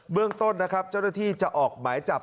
เบื้องต้นเจ้าหน้าที่จะออกหมายจับ